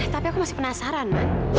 tapi aku masih penasaran